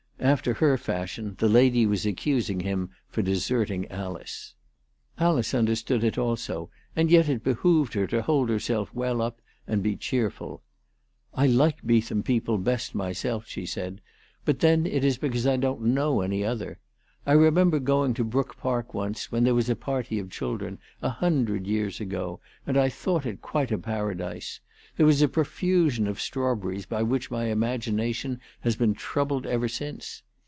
After her fashion the lady was accusing him for deserting Alice. Alice understood it also, and yet it behoved her to hold herself well up and be cheerful. " I like Bee tham people best myself," she said, " but then it is because I don't know any other. I remember going to Brook Park once, when there was a party of children, a hundred years ago, and I thought it quite a paradise. There was a profusion of strawberries by which my imagination has been troubled ever since.